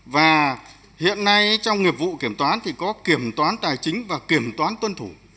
và hiện nay trong nghiệp vụ kiểm toán thì có kiểm toán tài chính và kiểm toán tuân thủ